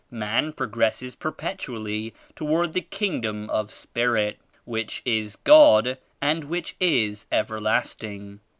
Man progresses perpetually toward the Kingdom of Spirit which is God and which is everlasting.